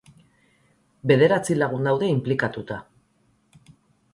Bederatzi lagun daude inplikatuta.